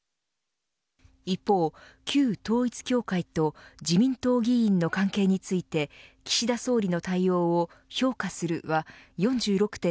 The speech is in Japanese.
一方、旧統一教会と自民党議員の関係について岸田総理の対応を評価するは４６．７％。